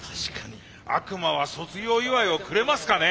悪魔は卒業祝をくれますかね。